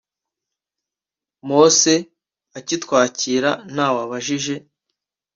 Mose akitwikira ntawe abajije